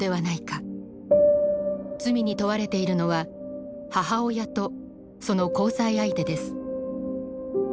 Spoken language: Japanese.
罪に問われているのは母親とその交際相手です。